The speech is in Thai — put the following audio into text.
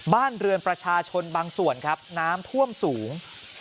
บ้านเรือนประชาชนบางส่วนครับน้ำท่วมสูง